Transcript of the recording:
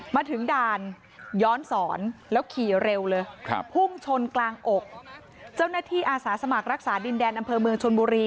มาถึงด่านย้อนสอนแล้วขี่เร็วเลยครับพุ่งชนกลางอกเจ้าหน้าที่อาสาสมัครรักษาดินแดนอำเภอเมืองชนบุรี